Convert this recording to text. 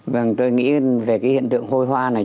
vâng tôi nghĩ về hiện tượng hôi hoa này